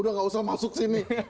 udah gak usah masuk sini